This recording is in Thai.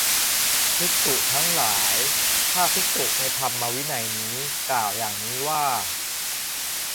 ภิกษุทั้งหลาย ถ้าภิกษุในธรรมวินัยนี้กล่าวอย่างนี้ว่า